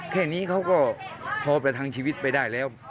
แค่นี้เขาก็พอประทังชีวิตไปได้แล้ว